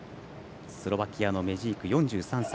スロバキアのメジーク４３歳。